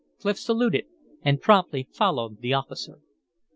Clif saluted and promptly followed the officer.